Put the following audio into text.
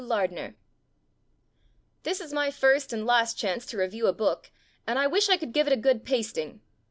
Lardner r[IS is my first and last chance to review a book and I wish I could give it a good pasting.